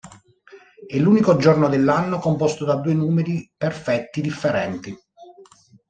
È l'unico giorno dell'anno composto da due numeri perfetti differenti.